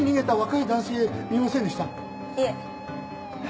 いえ